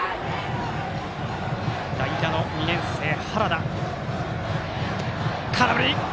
代打の２年生、原田。